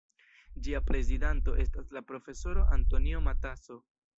Ĝia prezidanto estas la profesoro Antonio Matasso.